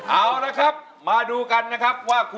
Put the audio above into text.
เอาละครับมาดูกันนะครับว่า